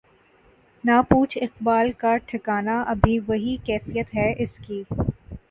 نہ پوچھ اقبال کا ٹھکانہ ابھی وہی کیفیت ہے اس کی